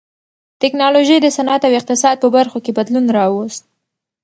ټکنالوژۍ د صنعت او اقتصاد په برخو کې بدلون راوست.